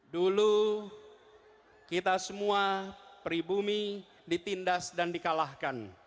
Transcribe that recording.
dulu kita semua pribumi ditindas dan di kalahkan